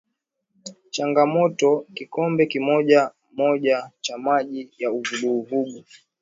Changanya kikombe kimoja moja cha maji ya uvuguvugu